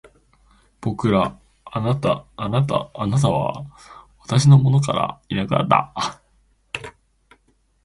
貴方は私の元からいなくなった。